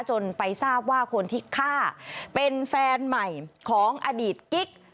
จนไปทราบว่าคนที่ฆ่าเป็นแฟนใหม่ของอดีตกิ๊ก